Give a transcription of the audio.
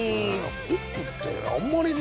ホップってあんまりね。